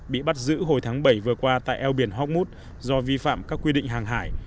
bị bắt giữ hồi tháng bảy vừa qua tại eo biển horkmut do vi phạm các quy định hàng hải